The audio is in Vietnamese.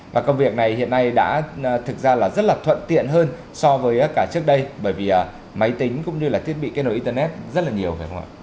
và công việc này hiện nay đã thực ra là rất là thuận tiện hơn so với cả trước đây bởi vì máy tính cũng như là thiết bị kết nối internet rất là nhiều phải không ạ